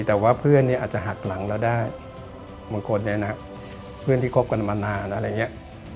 แต่ว่าเพื่อนอาจจะหักหลังแล้วได้บางคนนะครับเพื่อนที่คบกันมานานอะไรอย่างนี้